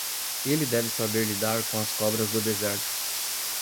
Ele deve saber lidar com as cobras do deserto.